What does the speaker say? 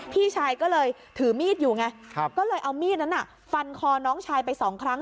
พี่ชายก็เลยถือมีดอยู่ไงก็เลยเอามีดนั้นฟันคอน้องชายไปสองครั้ง